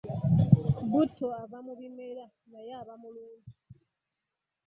Butto ava mu bimera naye aba mulungi.